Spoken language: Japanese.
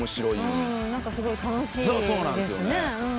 何かすごい楽しいですね。